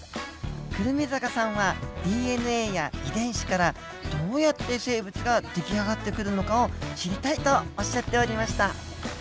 胡桃坂さんはＤＮＡや遺伝子からどうやって生物ができあがってくるのかを知りたいとおっしゃっておりました。